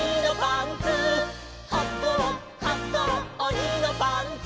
「はこうはこうおにのパンツ」